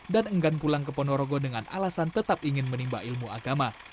dan enggan pulang ke ponorogo dengan alasan tetap ingin menimba ilmu agama